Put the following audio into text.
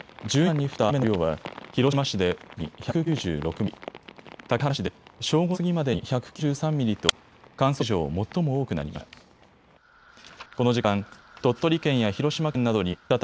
１２時間に降った雨の量は、広島市で午前１０時までに１９６ミリ、竹原市で正午過ぎまでに１９３ミリと、観測史上最も多くなりました。